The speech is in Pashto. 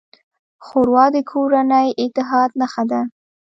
ښوروا د کورني اتحاد نښه ده.